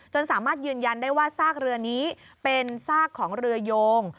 สามารถยืนยันได้ว่าซากเรือนี้เป็นซากของเรือโยง